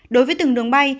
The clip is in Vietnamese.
đối với từng đường bay